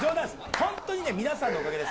本当にね、皆さんのおかげです。